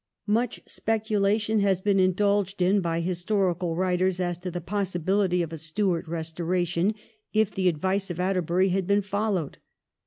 Much, speculation has been indulged in by historical writers as to the possibility of a Stuart restoration if the advice of Atterbury had been followed.